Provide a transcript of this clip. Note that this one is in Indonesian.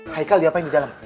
haikal diapain di dalam